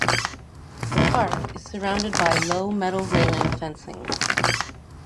The park is surrounded by low metal railing fencing.